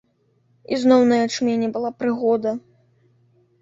Ізноў на ячмені была прыгода.